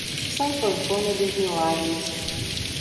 Santo Antônio dos Milagres